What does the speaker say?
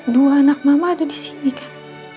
dua anak mama ada di sini kan